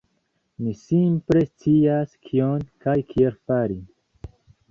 Mi simple scias kion kaj kiel fari.